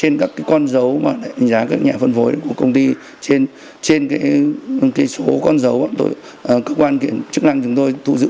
nguồn gốc xuất xứ